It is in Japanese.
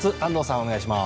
お願いします。